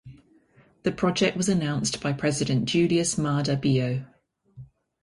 The project was announced by President Julius Maada Bio.